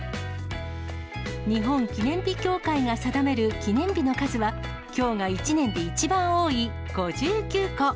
日本記念日協会が定める記念日の数は、きょうが１年で一番多い５９個。